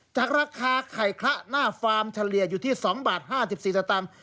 จากราคาไข่คละหน้าฟาร์มเฉลี่ยอยู่ที่๒บาท๕๔สตางค์